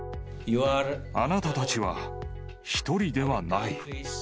あなたたちは一人ではない。